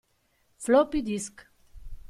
Floppy disk.